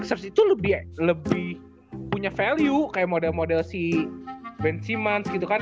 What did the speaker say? enam ers itu lebih punya value kayak model model si ben simmons gitu kan